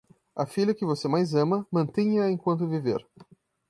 A filha que você mais ama, mantenha-a enquanto viver.